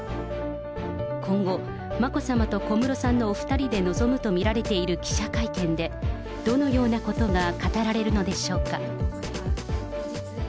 今後、眞子さまと小室さんのお２人で臨むと見られている記者会見で、どのようなことが語られるのでしょうか。